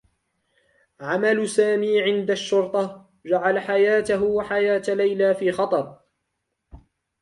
عمل سامي عند الشّرطة جعل حياته و حياة ليلى في خطر.